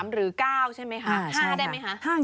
หรือ๙ใช่ไหมคะ๕ได้ไหมคะ